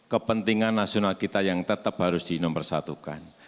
kepentingan nasional kita yang tetap harus dinomorsatukan